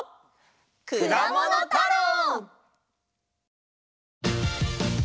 「くだものたろう」！